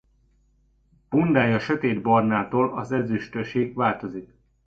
Bundája a sötétbarnától az ezüstösig változik.